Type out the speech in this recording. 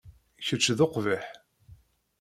Kečč d uqbiḥ.